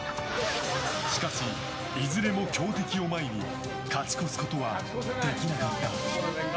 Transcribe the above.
しかし、いずれも強敵を前に勝ち越すことはできなかった。